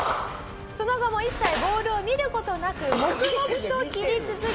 その後も一切ボールを見る事なく黙々と斬り続け。